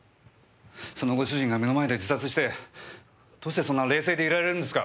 そのご主人が目の前で自殺してどうしてそんな冷静でいられるんですか？